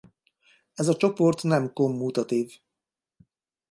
Ez a csoport nem kommutatív.